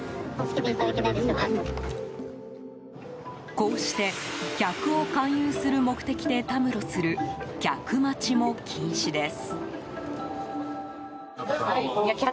こうして、客を勧誘する目的でたむろする客待ちも禁止です。